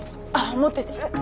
持ってて。